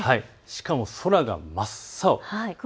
しかも空が真っ青。